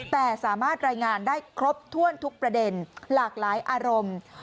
แต่สามารถรายงานได้ครบถ้วนทุกประเด็นหลากหลายอารมณ์